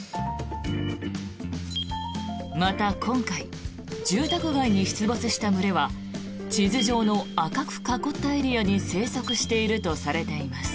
また今回、住宅街に出没した群れは地図上の赤く囲ったエリアに生息しているとされています。